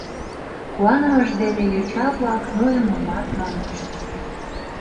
Куанымышт дене йоча-влак нойымымат мондышт.